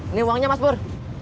ini uangnya mas pur